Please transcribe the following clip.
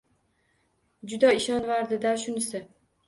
Juda o`ziga ishonvordi-da shunisi